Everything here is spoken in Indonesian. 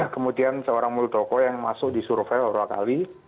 kemudian seorang muldoko yang masuk di surveil dua kali